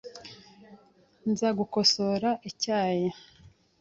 Nzagukosora icyayi .